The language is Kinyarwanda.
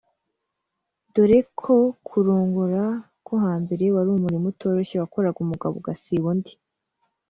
dore ko kurongora ko hambere wari umurimo utoroshye wakoraga umugabo ugasiba undi